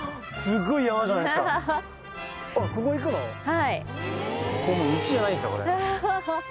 はい。